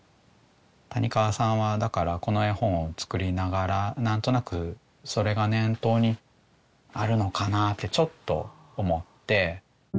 谷川さんはだからこの絵本を作りながら何となくそれが念頭にあるのかなってちょっと思って。